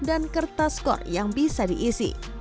dan kertas skor yang bisa diisi